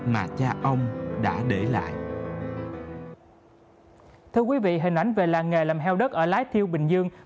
mà cha ông đã để lại